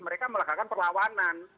mereka melakukan perlawanan